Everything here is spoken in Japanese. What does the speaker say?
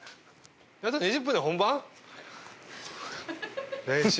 あと２０分で本番？